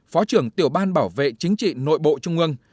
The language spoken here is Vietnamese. phó trưởng tiểu ban bảo vệ chính trị nội bộ trung ương